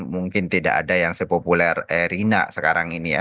mungkin tidak ada yang sepopuler erina sekarang ini ya